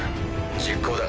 実行だ。